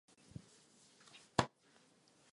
Má také široké využití v domorodé medicíně.